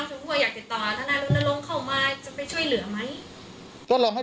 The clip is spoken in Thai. ธนายลุงนรงค์เข้ามาจะไปช่วยเหลือไหม